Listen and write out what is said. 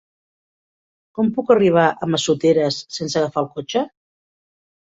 Com puc arribar a Massoteres sense agafar el cotxe?